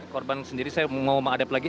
korban sendiri saya mau menghadap lagi